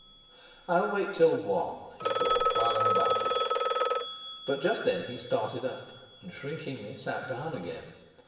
"I'll wait till one," he thought, "while I'm about it." But just then he started up, and shrinkingly sat down again.